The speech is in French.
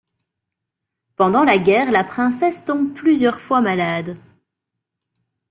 Pendant la guerre, la princesse tombe plusieurs fois malade.